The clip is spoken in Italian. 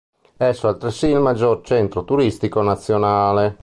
Esso è altresì il maggior centro turistico nazionale.